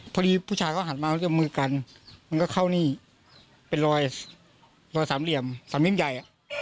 พอดีผู้ชายเขาหันมามือกันมันก็เข้านี่เป็นรอยสามเหลี่ยมสามลิ่มใหญ่